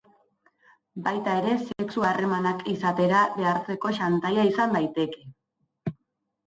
Baita ere sexu harremanak izatera behartzeko xantaia izan daiteke.